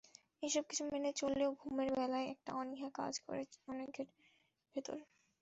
এসব কিছু মেনে চললেও ঘুমের বেলায় একটা অনীহা কাজ করে অনেকের ভেতর।